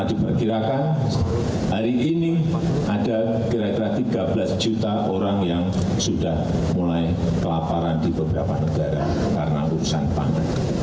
karena diperkirakan hari ini ada kira kira tiga belas juta orang yang sudah mulai kelaparan di beberapa negara karena urusan pangan